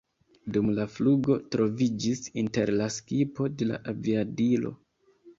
Dum la flugo troviĝis inter la skipo de la aviadilo.